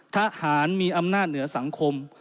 ทหารมีอำนาจเหนือสังคม